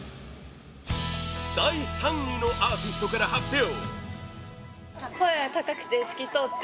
第３位のアーティストから発表！